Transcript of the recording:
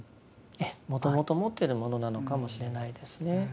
ええもともと持っているものなのかもしれないですね。